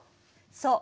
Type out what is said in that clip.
そう。